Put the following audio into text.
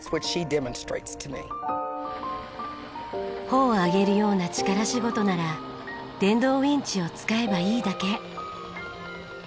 帆を上げるような力仕事なら電動ウィンチを使えばいいだけ。